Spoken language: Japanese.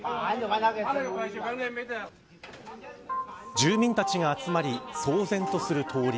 住民たちが集まり騒然とする通り。